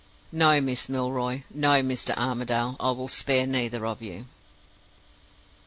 No, Miss Milroy no, Mr. Armadale; I will spare neither of you.